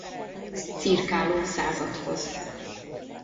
Cirkáló Századhoz.